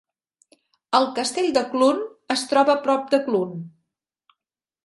El castell de Clun es troba a prop de Clun.